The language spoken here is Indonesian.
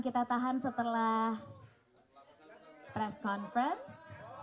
kita tahan setelah press conference